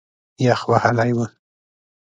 یخ وهلی و.